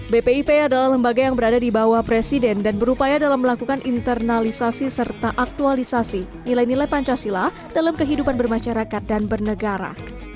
bpip adalah lembaga yang berada di bawah presiden dan berupaya dalam melakukan internalisasi serta aktualisasi nilai nilai pancasila dalam kehidupan bermasyarakat dan bernegara